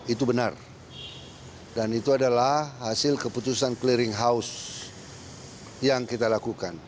itu benar dan itu adalah hasil keputusan clearing house yang kita lakukan